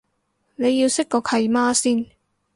你要識個契媽先